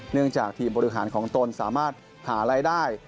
จากทีมบริหารของตนสามารถหารายได้